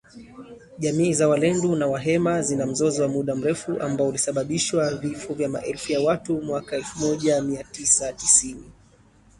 Jamii za walendu na wahema zina mzozo wa muda mrefu ambao ulisababishwa vifo vya maelfu ya watu mwaka elfu moja mia tisa tisini